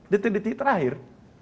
di titik titik terakhir